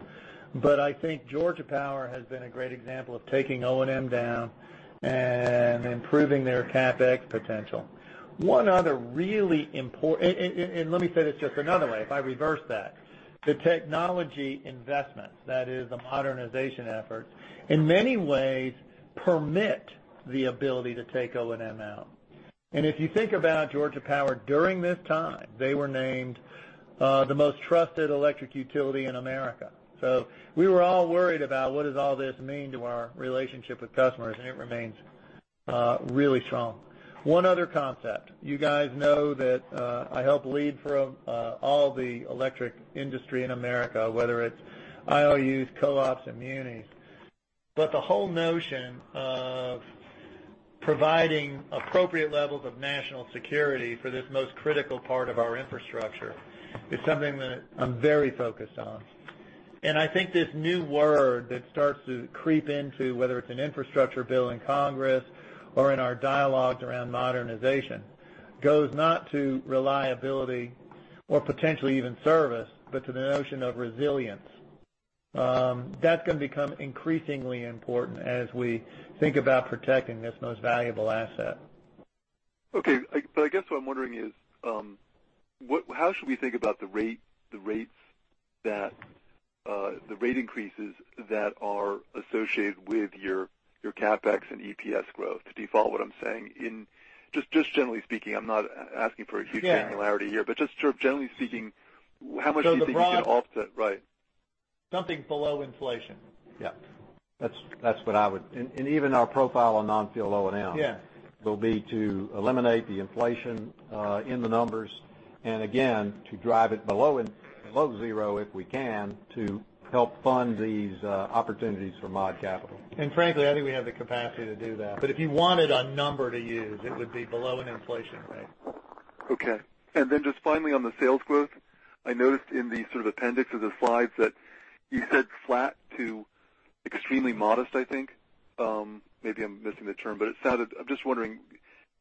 I think Georgia Power has been a great example of taking O&M down and improving their CapEx potential. Let me say this just another way, if I reverse that. The technology investments, that is the modernization efforts, in many ways permit the ability to take O&M out. If you think about Georgia Power during this time, they were named the most trusted electric utility in America. We were all worried about what does all this mean to our relationship with customers, and it remains really strong. One other concept. You guys know that I help lead for all the electric industry in America, whether it's IOUs, co-ops, and munis. The whole notion of providing appropriate levels of national security for this most critical part of our infrastructure is something that I'm very focused on. I think this new word that starts to creep into, whether it's an infrastructure bill in Congress or in our dialogues around modernization, goes not to reliability or potentially even service, but to the notion of resilience. That's going to become increasingly important as we think about protecting this most valuable asset. Okay. I guess what I'm wondering is how should we think about the rate increases that are associated with your CapEx and EPS growth? To default what I'm saying, just generally speaking, I'm not asking for a huge granularity here. Yeah. Just generally speaking, how much do you think you can offset, right? Something below inflation. Yeah. That's what I would. Even our profile on non-fuel O&M. Yeah will be to eliminate the inflation in the numbers. Again, to drive it below zero, if we can, to help fund these opportunities for mod capital. Frankly, I think we have the capacity to do that. If you wanted a number to use, it would be below an inflation rate. Okay. Then just finally on the sales growth, I noticed in the sort of appendix of the slides that you said flat to extremely modest, I think. Maybe I'm missing the term, but I'm just wondering,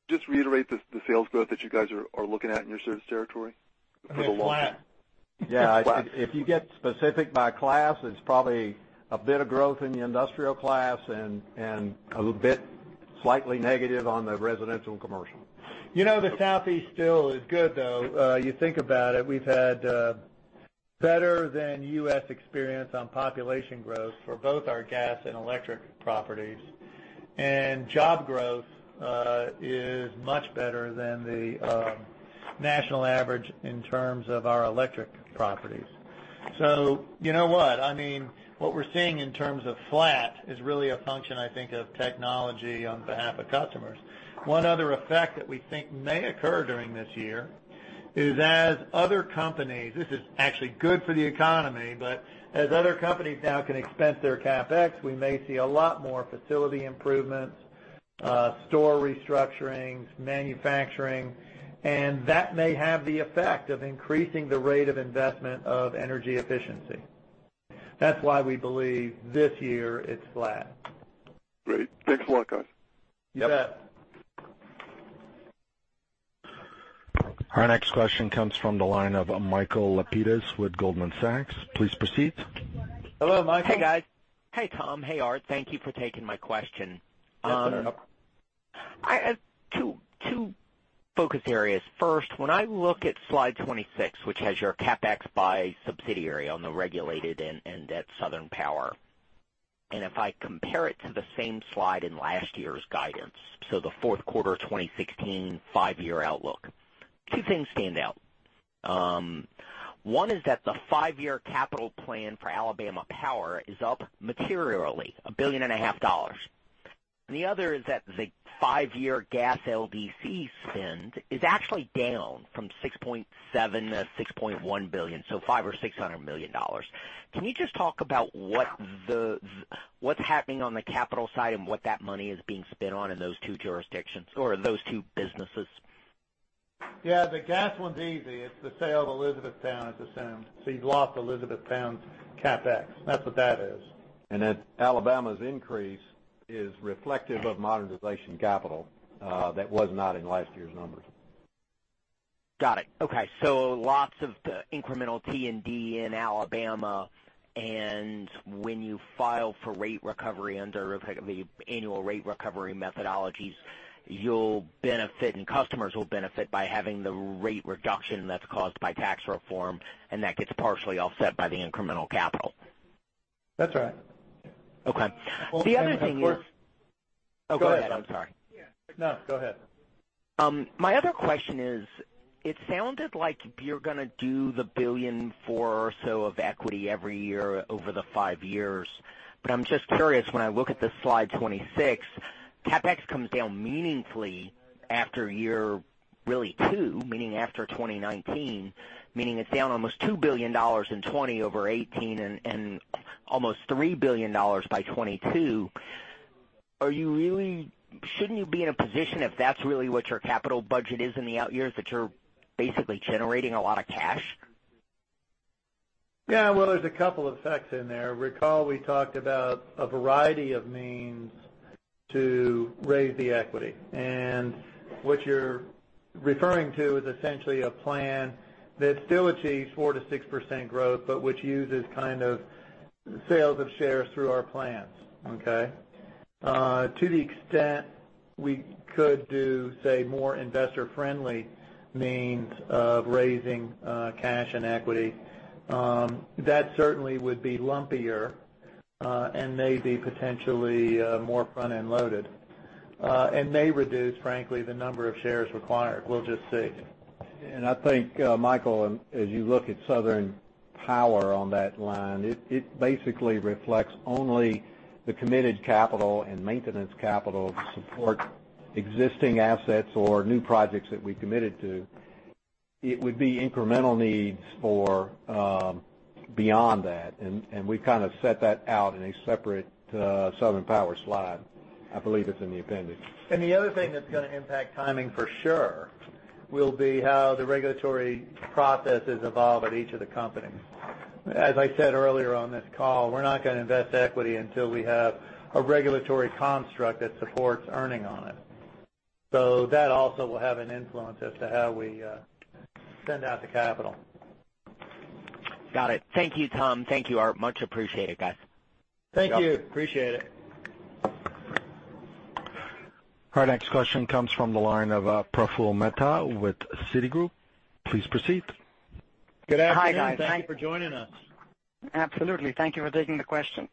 just reiterate the sales growth that you guys are looking at in your service territory for the long term. We said flat. Yeah. Flat. If you get specific by class, it's probably a bit of growth in the industrial class and a little bit slightly negative on the residential and commercial. The Southeast still is good, though. You think about it, we've had better than U.S. experience on population growth for both our gas and electric properties. Job growth is much better than the national average in terms of our electric properties. You know what? What we're seeing in terms of flat is really a function, I think, of technology on behalf of customers. One other effect that we think may occur during this year is as other companies, this is actually good for the economy, but as other companies now can expense their CapEx, we may see a lot more facility improvements, store restructurings, manufacturing, that may have the effect of increasing the rate of investment of energy efficiency. That's why we believe this year it's flat. Great. Thanks a lot, guys. You bet. Yep. Our next question comes from the line of Michael Lapides with Goldman Sachs. Please proceed. Hello, Michael. Hey, guys. Hey, Tom. Hey, Art. Thank you for taking my question. Yes, sir. No. I have two focus areas. First, when I look at slide 26, which has your CapEx by subsidiary on the regulated and that Southern Power. If I compare it to the same slide in last year's guidance, so the fourth quarter 2016 five-year outlook, two things stand out. One is that the five-year capital plan for Alabama Power is up materially, a billion and a half dollars. The other is that the five-year gas LDC spend is actually down from $6.7 billion-$6.1 billion, so $500 million or $600 million. Can you just talk about what's happening on the capital side and what that money is being spent on in those two jurisdictions or those two businesses? Yeah, the gas one's easy. It's the sale of Elizabethtown. You've lost Elizabethtown's CapEx. That's what that is. at Alabama's increase It is reflective of modernization capital that was not in last year's numbers. Got it. Okay. Lots of the incremental T&D in Alabama, and when you file for rate recovery under the annual rate recovery methodologies, you'll benefit and customers will benefit by having the rate reduction that's caused by tax reform, and that gets partially offset by the incremental capital. That's right. Okay. The other thing is- Of course- Oh, go ahead. I'm sorry. No, go ahead. My other question is, it sounded like you're going to do the $1 billion and four or so of equity every year over the five years. I'm just curious, when I look at the slide 26, CapEx comes down meaningfully after year, really two, meaning after 2019, meaning it's down almost $2 billion in 2020 over 2018 and almost $3 billion by 2022. Shouldn't you be in a position, if that's really what your capital budget is in the out years, that you're basically generating a lot of cash? Well, there's a couple effects in there. Recall we talked about a variety of means to raise the equity. What you're referring to is essentially a plan that still achieves 4%-6% growth, but which uses sales of shares through our plans. Okay? To the extent we could do, say, more investor-friendly means of raising cash and equity. That certainly would be lumpier, and maybe potentially more front-end loaded. May reduce, frankly, the number of shares required. We'll just see. I think, Michael, as you look at Southern Power on that line, it basically reflects only the committed capital and maintenance capital to support existing assets or new projects that we committed to. It would be incremental needs for beyond that. We kind of set that out in a separate Southern Power slide. I believe it's in the appendix. The other thing that's going to impact timing for sure will be how the regulatory processes evolve at each of the companies. As I said earlier on this call, we're not going to invest equity until we have a regulatory construct that supports earning on it. That also will have an influence as to how we send out the capital. Got it. Thank you, Tom. Thank you, Art. Much appreciated, guys. Thank you. Appreciate it. Our next question comes from the line of Praful Mehta with Citigroup. Please proceed. Good afternoon. Hi, guys. Thank you for joining us. Absolutely. Thank you for taking the question.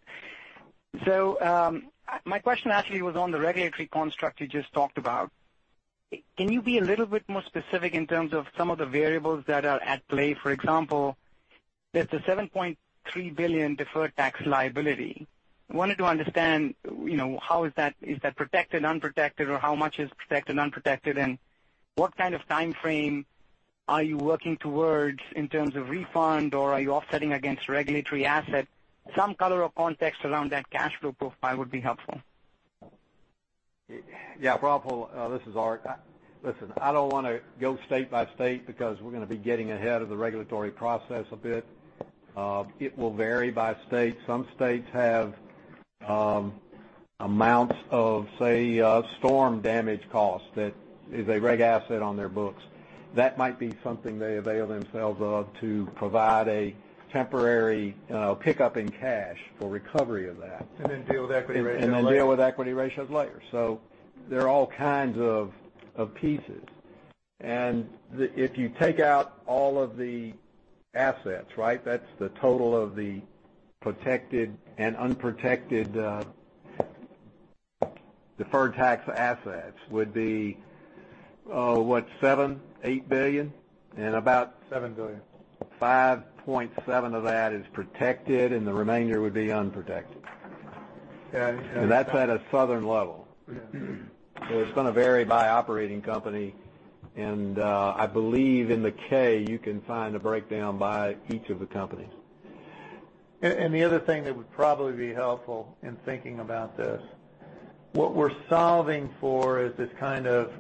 My question actually was on the regulatory construct you just talked about. Can you be a little bit more specific in terms of some of the variables that are at play? For example, there's the $7.3 billion deferred tax liability. I wanted to understand how is that protected, unprotected, or how much is protected, unprotected, and what kind of time frame are you working towards in terms of refund, or are you offsetting against regulatory asset? Some color or context around that cash flow profile would be helpful. Yeah. Praful, this is Art. Listen, I don't want to go state by state because we're going to be getting ahead of the regulatory process a bit. It will vary by state. Some states have amounts of, say, storm damage cost that is a reg asset on their books. That might be something they avail themselves of to provide a temporary pickup in cash for recovery of that. Deal with equity ratios later. deal with equity ratios later. There are all kinds of pieces. If you take out all of the assets, that's the total of the protected and unprotected deferred tax assets would be, what, $7 billion-$8 billion? $7 billion $5.7 of that is protected, the remainder would be unprotected. Yeah. That's at a Southern level. It's going to vary by operating company. I believe in the K, you can find a breakdown by each of the companies. The other thing that would probably be helpful in thinking about this, what we're solving for is this kind of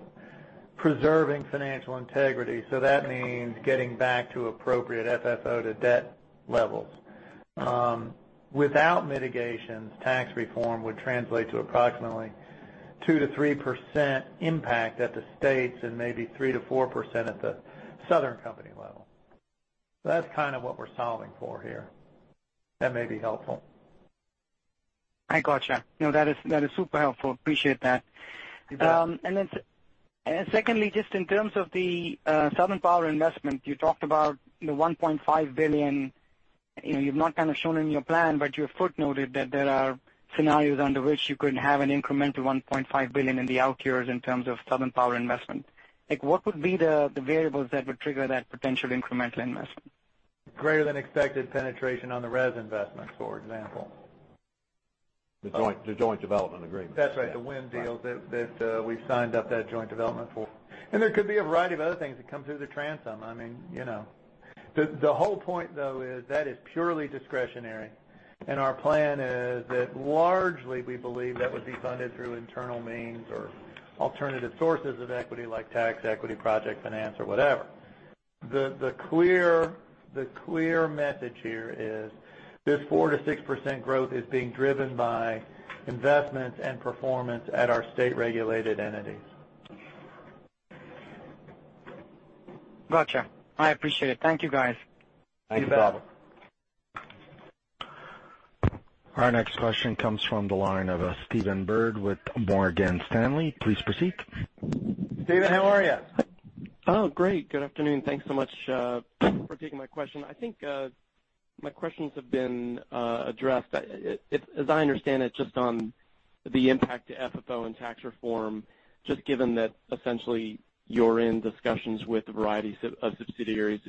preserving financial integrity. That means getting back to appropriate FFO to debt levels. Without mitigations, tax reform would translate to approximately 2%-3% impact at the states and maybe 3%-4% at The Southern Company level. That's kind of what we're solving for here. That may be helpful. I got you. No, that is super helpful. Appreciate that. You bet. Secondly, just in terms of the Southern Power investment, you talked about the $1.5 billion. You've not kind of shown in your plan, but you have footnoted that there are scenarios under which you could have an incremental $1.5 billion in the out years in terms of Southern Power investment. What would be the variables that would trigger that potential incremental investment? Greater than expected penetration on the RES investments, for example. The joint development agreement. That's right. The wind deal that we've signed up that joint development for. There could be a variety of other things that come through the transom. The whole point, though, is that is purely discretionary, and our plan is that largely we believe that would be funded through internal means or alternative sources of equity like tax equity, project finance or whatever. The clear message here is this 4%-6% growth is being driven by investments and performance at our state-regulated entities. Got you. I appreciate it. Thank you, guys. Thank you. You bet. Our next question comes from the line of Stephen Byrd with Morgan Stanley. Please proceed. Stephen, how are you? Oh, great. Good afternoon. Thanks so much for taking my question. I think my questions have been addressed. As I understand it, just on the impact to FFO and tax reform, just given that essentially you're in discussions with a variety of subsidiaries,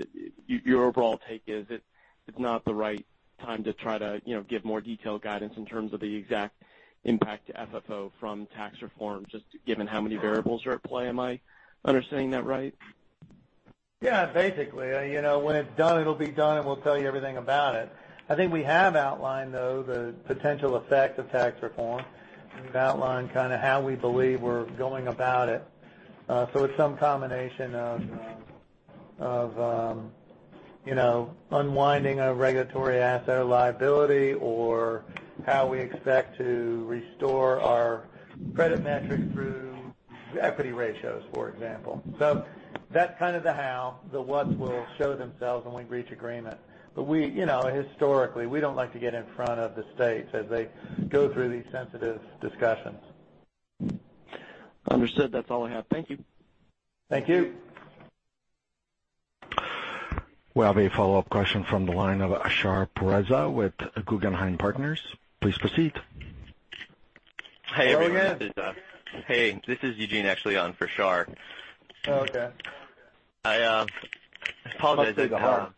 your overall take is it's not the right time to try to give more detailed guidance in terms of the exact impact to FFO from tax reform, just given how many variables are at play. Am I understanding that right? Yeah, basically. When it's done, it'll be done, and we'll tell you everything about it. I think we have outlined, though, the potential effect of tax reform. We've outlined how we believe we're going about it. It's some combination of unwinding a regulatory asset or liability or how we expect to restore our credit metrics through equity ratios, for example. That's kind of the how. The what will show themselves when we reach agreement. Historically, we don't like to get in front of the states as they go through these sensitive discussions. Understood. That's all I have. Thank you. Thank you. We have a follow-up question from the line of Shar Pourreza with Guggenheim Partners. Please proceed. How are you, man? Hey, this is Eugene actually on for Shar. Oh, okay. I apologize. Must be the heart.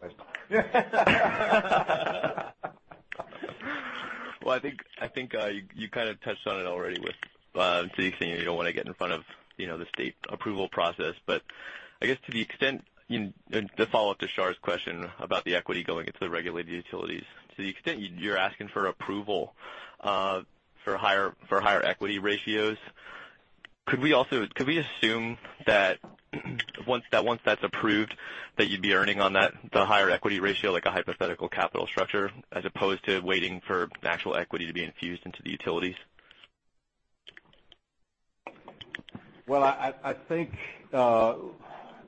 I think you kind of touched on it already with saying you don't want to get in front of the state approval process. I guess to the extent, and to follow up to Shar's question about the equity going into the regulated utilities. To the extent you're asking for approval for higher equity ratios, could we assume that once that's approved, that you'd be earning on the higher equity ratio, like a hypothetical capital structure, as opposed to waiting for natural equity to be infused into the utilities? I think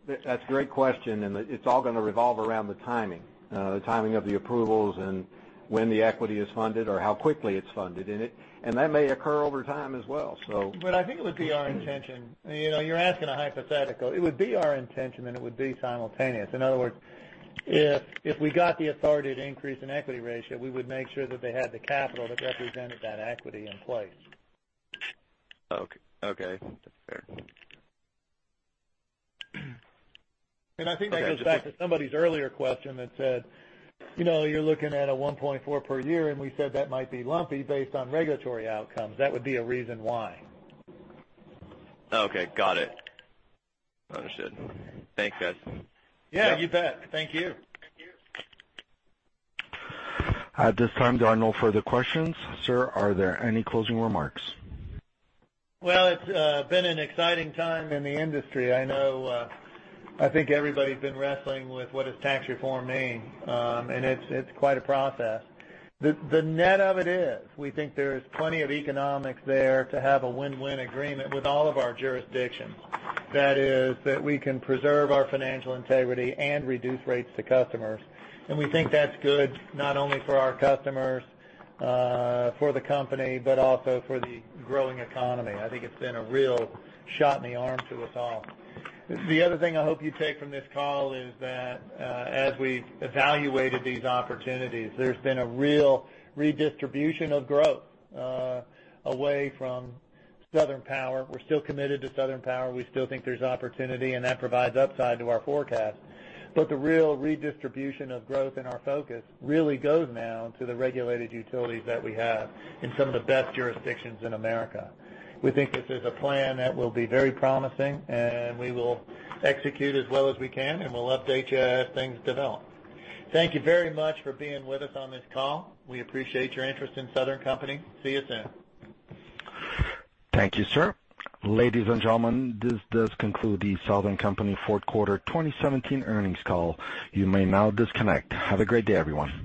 that's a great question, and it's all going to revolve around the timing. The timing of the approvals and when the equity is funded or how quickly it's funded. That may occur over time as well. I think it would be our intention. You're asking a hypothetical. It would be our intention, and it would be simultaneous. In other words, if we got the authority to increase in equity ratio, we would make sure that they had the capital that represented that equity in place. Okay. That's fair. I think that goes back to somebody's earlier question that said, you're looking at a 1.4 per year, and we said that might be lumpy based on regulatory outcomes. That would be a reason why. Okay, got it. Understood. Thanks, guys. Yeah, you bet. Thank you. At this time, there are no further questions. Sir, are there any closing remarks? Well, it's been an exciting time in the industry. I think everybody's been wrestling with what does tax reform mean. It's quite a process. The net of it is we think there is plenty of economics there to have a win-win agreement with all of our jurisdictions. That is that we can preserve our financial integrity and reduce rates to customers. We think that's good not only for our customers, for the company, but also for the growing economy. I think it's been a real shot in the arm to us all. The other thing I hope you take from this call is that as we've evaluated these opportunities, there's been a real redistribution of growth away from Southern Power. We're still committed to Southern Power. We still think there's opportunity, and that provides upside to our forecast. The real redistribution of growth in our focus really goes now to the regulated utilities that we have in some of the best jurisdictions in America. We think this is a plan that will be very promising. We will execute as well as we can. We'll update you as things develop. Thank you very much for being with us on this call. We appreciate your interest in Southern Company. See you soon. Thank you, sir. Ladies and gentlemen, this does conclude the Southern Company fourth quarter 2017 earnings call. You may now disconnect. Have a great day, everyone.